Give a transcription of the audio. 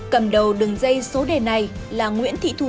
cầm đầu đường dây số đề này là nguyễn thị thù